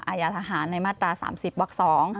อายาทหารในมาตรา๓๐วัก๒